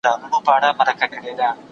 ایا ډاکټر د لوړ ږغ سره پاڼه ړنګوي؟